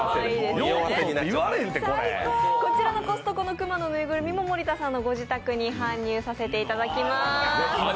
こちらのコストコのクマのぬいぐるみも森田さんのご自宅に搬入させていただきまーす。